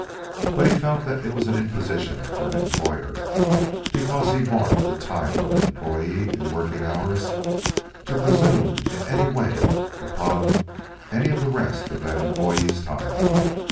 But he felt that it was an imposition for an employer, because he bought the time of an employee in working hours, to presume in any way upon any of the rest of that employee's time.